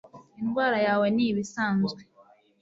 indwara yawe ni ibisanzwe